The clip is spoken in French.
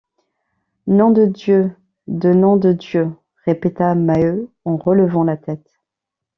Nom de Dieu de nom de Dieu! répéta Maheu en relevant la tête.